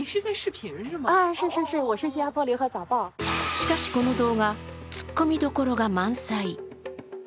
しかし、この動画、ツッコミどころが満載。